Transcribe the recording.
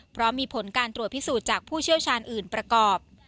เพราะมีผลการตรวจพิสูจน์จากผู้เชี่ยวชาญอื่นประกอบ